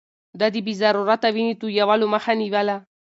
ده د بې ضرورته وينې تويولو مخه نيوله.